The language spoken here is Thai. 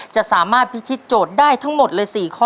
จะสามารถพิธีโจทย์ได้ทั้งหมดเลย๔ข้อ